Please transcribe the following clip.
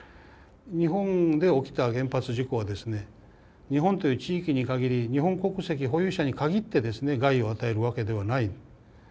日本で起きた原発事故はですね日本という地域に限り日本国籍保有者に限ってですね害を与えるわけではない。